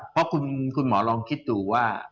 เพราะคุณหมอลองคิดดูว่า